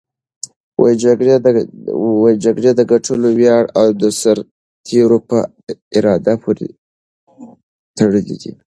د جګړې د ګټلو ویاړ د سرتېرو په اراده پورې تړلی دی.